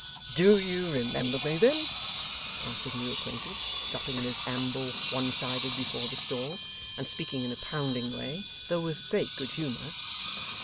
'Do you remember me, then?' asked his new acquaintance, stopping in his amble, one sided, before the stall, and speaking in a pounding way, though with great good humour.